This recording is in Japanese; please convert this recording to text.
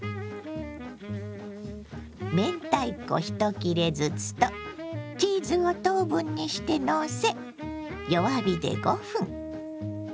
明太子１切れずつとチーズを等分にしてのせ弱火で５分。